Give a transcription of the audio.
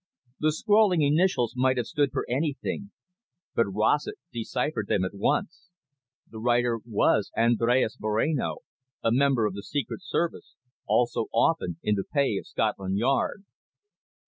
The scrawling initials might have stood for anything. But Rossett deciphered them at once. The writer was Andres Moreno, a member of the Secret Service, also often in the pay of Scotland Yard.